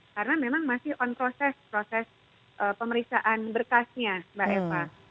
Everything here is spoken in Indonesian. karena memang masih on proses proses pemeriksaan berkasnya mbak eva